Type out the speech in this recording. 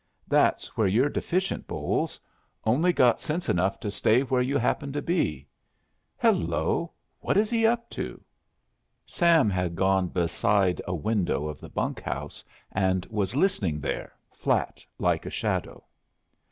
That's where you're deficient, Bolles. Only got sense enough to stay where you happen to be. Hello. What is he up to?" Sam had gone beside a window of the bunkhouse and was listening there, flat like a shadow.